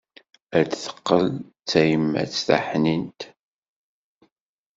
Ad teqqel d tayemmat taḥnint.